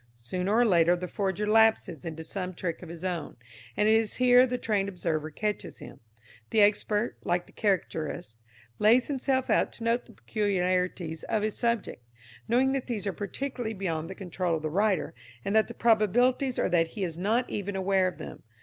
Sooner or later the forger lapses into some trick of his own, and it is here the trained observer catches him. The expert, like the caricaturist, lays himself out to note the peculiarities of his subject, knowing that these are practically beyond the control of the writer, and that the probabilities are that he is not even aware of them.